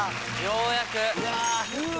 ようやく。